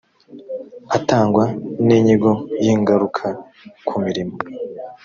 atangwa n inyigo y ingaruka ku mirimo